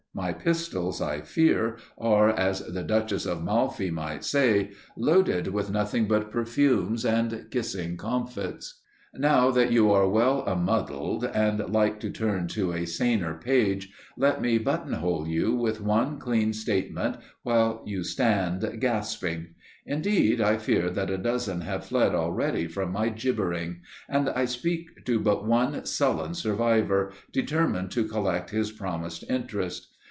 My pistols, I fear, are, as the Duchess of Malfi might say, loaded with nothing but perfumes and kissing comfits. Now that you are well a muddled, and like to turn to a saner page, let me button hole you with one clean statement while you stand, gasping. Indeed I fear that a dozen have fled already from my gibbering, and I speak to but one sullen survivor, determined to collect his promised interest.